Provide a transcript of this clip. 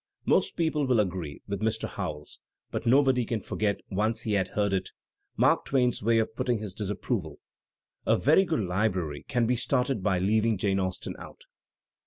Most people will agree with Mr. Howells, but nobody can forget, once he has heard it, Mark Twain's way of putting his disapproval: "A very good library can be started by leaving Jane Austen out."